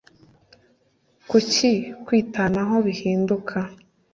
kuki kwitanaho bihinduka